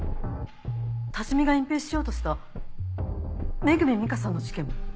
多治見が隠蔽しようとした恵美佳さんの事件も。